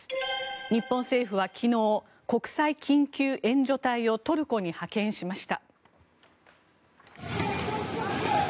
日本政府は昨日国際緊急援助隊をトルコに派遣しました。